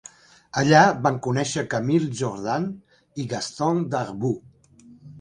Allà, van conèixer Camille Jordan i Gaston Darboux.